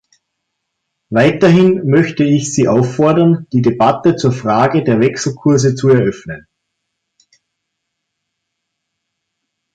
Weiterhin möchte ich Sie auffordern, die Debatte zur Frage der Wechselkurse zu eröffnen.